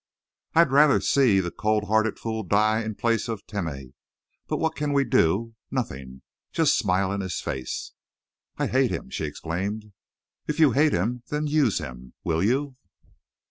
"I'd rather see the cold hearted fool die in place of Timeh. But what can we do? Nothing. Just smile in his face." "I hate him!" she exclaimed. "If you hate him, then use him. Will you?"